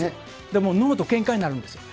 で、脳とけんかになるんですよ。